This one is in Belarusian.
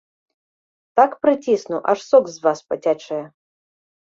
Так прыцісну, аж сок з вас пацячэ!